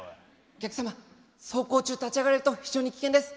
お客様走行中立ち上がられると非常に危険です。